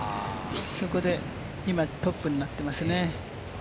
そこで今トップになっていますね。